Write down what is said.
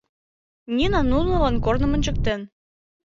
Нина нунылан корным ончыктен.